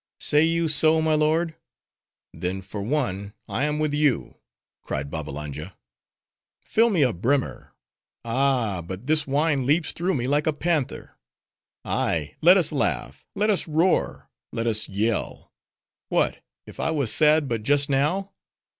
"Say you so, my lord? then for one, I am with you;" cried Babbalanja. "Fill me a brimmer. Ah! but this wine leaps through me like a panther. Ay, let us laugh: let us roar: let us yell! What, if I was sad but just now?